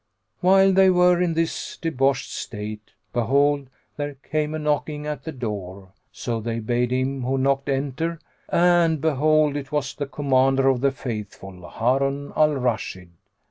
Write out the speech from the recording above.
While they were in this deboshed state behold, there came a knocking at the door; so they bade him who knocked enter, and behold, it was the Commander of the Faithful, Harun al Rashid.